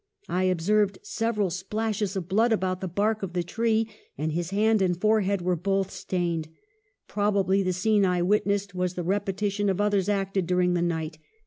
I observed several splashes of blood about the bark of the tree, and his hand and forehead were both stained ; proba bly the scene I witnessed was the repetition of others acted during the night.